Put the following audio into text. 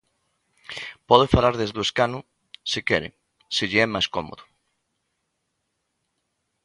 Pode falar desde o escano se quere, se lle é máis cómodo.